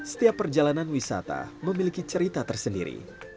setiap perjalanan wisata memiliki cerita tersendiri